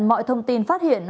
mọi thông tin phát hiện